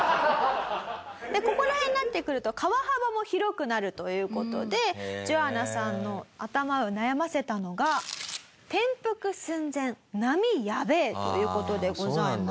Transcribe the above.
ここら辺になってくると川幅も広くなるという事でジョアナさんの頭を悩ませたのが。という事でございます。